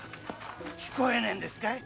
聞こえねえんですかい？